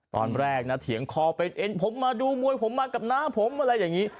ตอนแรกนะเถียงคอเป็นเอ็นผมมาดูมวยผมมากับน้าผมอะไรอย่างนี้